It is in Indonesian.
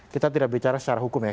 kita tidak bicara secara hukum ya